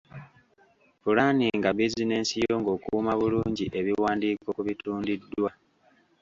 Pulaaninga bizinensi yo ng’okuuma bulungi ebiwandiiko ku bitundiddwa.